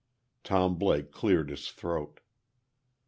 Tom Blake cleared his throat.